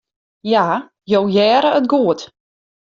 Ja, jo hearre it goed.